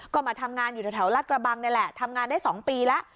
ก็มาทำงานอยู่แถวรัฐกระบังนี่แหละทำงานได้๒ปีแล้ว